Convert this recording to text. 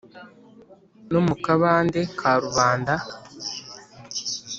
No mu kabande ka rubanda.